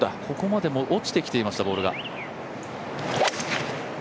ここまでボールが落ちてきていました。